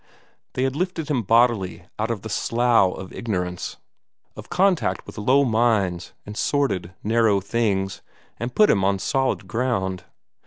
They had lifted him bodily out of the slough of ignorance, of contact with low minds and sordid, narrow things, and put him on solid ground.